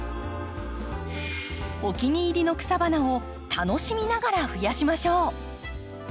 お気に入りの草花を楽しみながら増やしましょう。